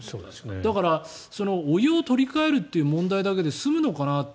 だから、お湯を取り換えるという問題だけで済むのかなって